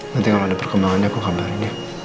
nanti kalau ada perkembangannya aku kabarin